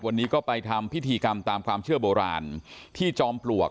วันนี้ก็ไปทำพิธีกรรมตามความเชื่อโบราณที่จอมปลวก